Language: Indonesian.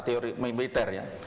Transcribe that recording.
teori militer ya